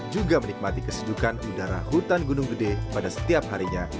juga menikmati kesejukan udara hutan gunung gede pada setiap harinya